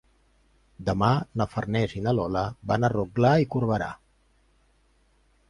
Demà na Farners i na Lola van a Rotglà i Corberà.